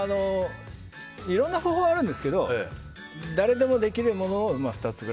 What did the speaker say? いろんな方法があるんですけど誰でもできるものの２つ。